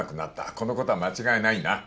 この事は間違いないな。